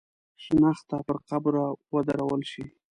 شنخته پر قبر ودرول شي.